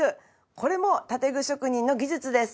これも建具職人の技術です。